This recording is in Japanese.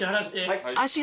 はい。